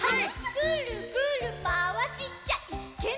ぐるぐるまわしちゃいけません！